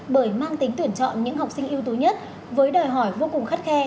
bởi mang tính tuyển chọn những học sinh yếu tố nhất với đòi hỏi vô cùng khắt khe